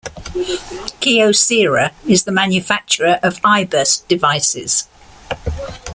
Kyocera is the manufacturer of iBurst devices.